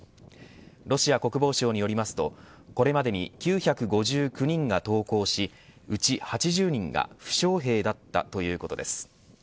ロシア国防省によりますとこれまでに９５９人が投降しうち８０人が負傷兵だったということです。